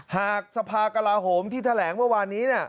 หากสภากลาโหมที่แถลงเมื่อวานนี้